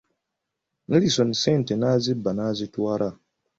Nelisoni sente n'azibba n'azitwala!